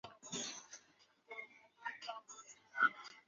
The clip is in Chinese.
鲫鱼草是禾本科画眉草属的植物。